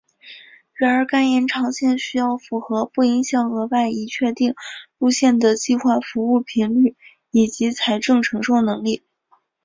然而该延长线需要符合不影响额外已确定路线的计划服务频率以及财政承受能力。